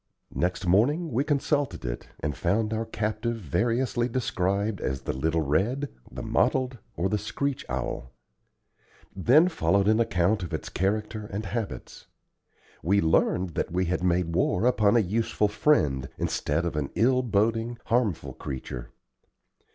Next morning we consulted it, and found our captive variously described as the little red, the mottled, or the screech owl. Then followed an account of its character and habits. We learned that we had made war upon a useful friend, instead of an ill boding, harmful creature.